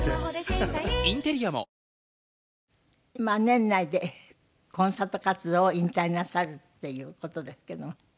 年内でコンサート活動を引退なさるっていう事ですけども。